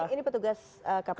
ini petugas kpps ya